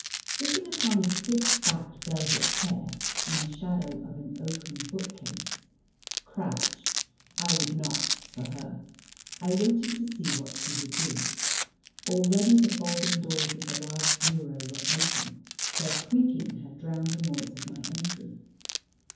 Sitting upon a stiff backed velvet chair, in the shadow of an oaken bookcase crouch I would not for her I waited to see what she would do. Already the folding doors of the large bureau were open; their creaking had drowned the noise of my entry.